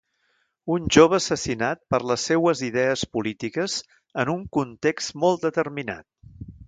Un jove assassinat per les seues idees polítiques en un context molt determinat.